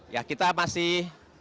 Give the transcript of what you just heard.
ya kita masih